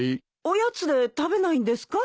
おやつで食べないんですか？